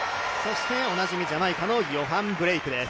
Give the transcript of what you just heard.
おなじみ、ジャマイカのヨハン・ブレイクです。